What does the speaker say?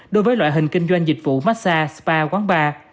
đối với loại hình kinh doanh dịch vụ massage spa quán bar